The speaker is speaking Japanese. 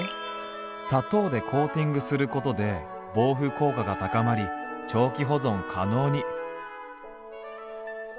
「砂糖でコーティングすることで防腐効果が高まり長期保存可能に」。